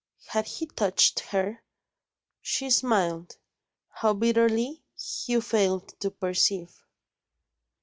Had he touched her? She smiled how bitterly Hugh failed to perceive.